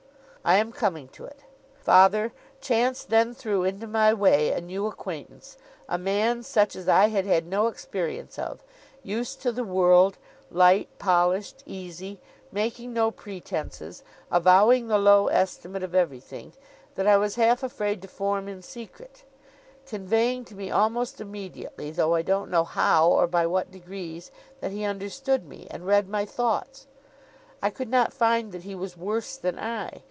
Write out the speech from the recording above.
'I am coming to it. Father, chance then threw into my way a new acquaintance; a man such as I had had no experience of; used to the world; light, polished, easy; making no pretences; avowing the low estimate of everything, that I was half afraid to form in secret; conveying to me almost immediately, though I don't know how or by what degrees, that he understood me, and read my thoughts. I could not find that he was worse than I.